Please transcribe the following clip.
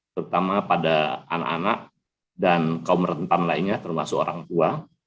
terutama pada anak anak dan kaum rentan lainnya termasuk orang tua